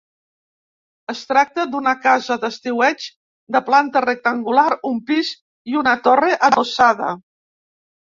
Es tracta d'una casa d'estiueig de planta rectangular, un pis i una torre adossada.